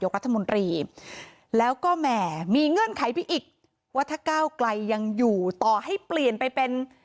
รัฐมนตรีแล้วก็แหมมีเงื่อนไขไปอีกว่าถ้าก้าวไกลยังอยู่ต่อให้เปลี่ยนไปเป็น